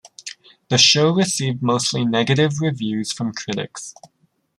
The show received mostly negative reviews from critics.